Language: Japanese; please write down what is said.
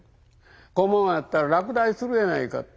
「このままやったら落第するやないか」。